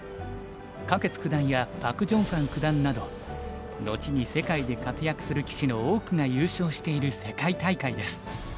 柯潔九段やパク・ジョンファン九段など後に世界で活躍する棋士の多くが優勝している世界大会です。